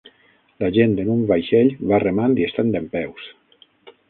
La gent en un vaixell va remant i estan dempeus.